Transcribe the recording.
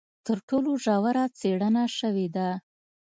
تر ټولو ژوره څېړنه شوې ده.